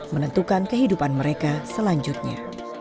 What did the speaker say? menentukan kehidupan mereka selanjutnya